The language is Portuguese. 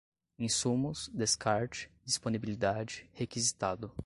insumos, descarte, disponibilidade, requisitado